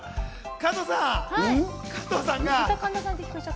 加藤さん、加藤さんが。